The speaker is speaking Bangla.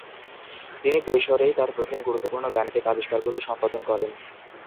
তিনি কৈশোরেই তার প্রথম গুরুত্বপূর্ণ গাণিতিক আবিষ্কারগুলো সম্পাদন করেন।